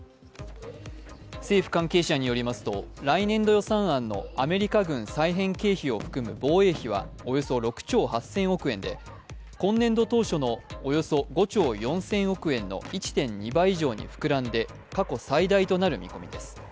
政府関係者によりますと来年度予算案のアメリカ軍再編経費を含む防衛費はおよそ６兆８０００億円で今年度当初のおよそ５兆４０００億円の１．２倍以上に膨らんで過去最大となる見込みです。